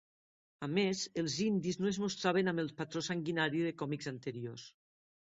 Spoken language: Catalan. A més, els indis no es mostraven amb el patró sanguinari de còmics anteriors.